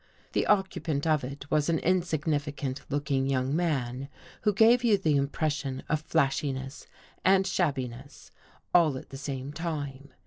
The occupant of it was an insignificant looking young man who gave you the impression of flashiness and shabbiness all at the same time.